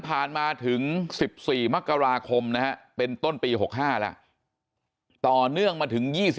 มาถึง๑๔มกราคมนะฮะเป็นต้นปี๖๕แล้วต่อเนื่องมาถึง๒๕